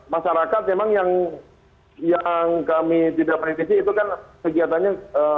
masyarakat memang yang kami tidak kritisi itu kan kegiatannya